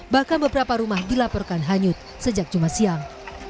bahkan beberapa rumah dilaporkan hanyut sejak jumat siang